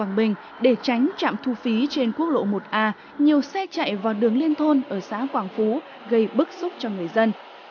quảng bình để tránh trạm thu phí trên quốc lộ một a nhiều xe chạy vào đường liên thôn ở xã quảng phú gây bức xúc cho người dân